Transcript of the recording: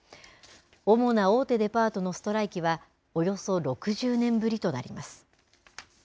主な大手デパートのストライキはおよそ６０年ぶりとなります。